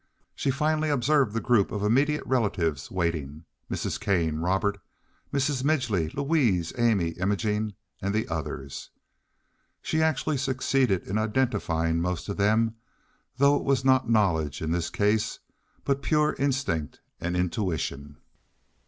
She finally observed the group of immediate relatives waiting—Mrs. Kane, Robert, Mrs. Midgely, Louise, Amy, Imogene, and the others. She actually succeeded in identifying most of them, though it was not knowledge in this case, but pure instinct and intuition.